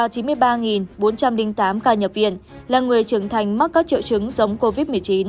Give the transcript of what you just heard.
đình tám ca nhập viện là người trưởng thành mắc các triệu chứng giống covid một mươi chín